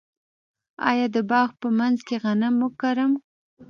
آیا د باغ په منځ کې غنم وکرم؟